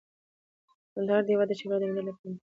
کندهار د هیواد د چاپیریال د مدیریت لپاره ډیر مهم دی.